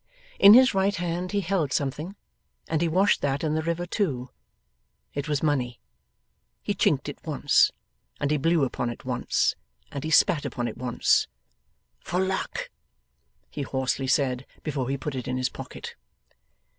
In his right hand he held something, and he washed that in the river too. It was money. He chinked it once, and he blew upon it once, and he spat upon it once, 'for luck,' he hoarsely said before he put it in his pocket.